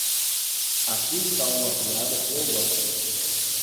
Aqui está uma piada que eu gosto.